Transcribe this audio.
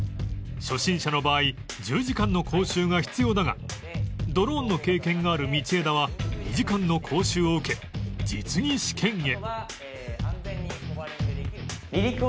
初心者の場合１０時間の講習が必要だがドローンの経験がある道枝は２時間の講習を受け実技試験へ